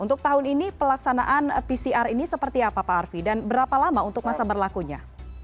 untuk tahun ini pelaksanaan pcr ini seperti apa pak arfi dan berapa lama untuk masa berlakunya